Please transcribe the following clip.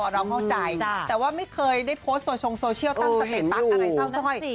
ก็เข้าใจจ้าแต่ว่าไม่เคยได้โพสต์ส่วนชงตั้งสถิตรักษณ์อะไรซ่อนซ่อย